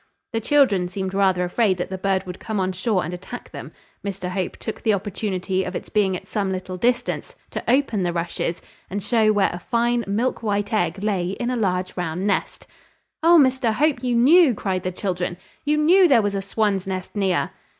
The children seemed rather afraid that the bird would come on shore and attack them. Mr Hope took the opportunity of its being at some little distance, to open the rushes, and show where a fine milk white egg lay in a large round nest. "Oh, Mr Hope, you knew!" cried the children, "you knew there was a swan's nest near."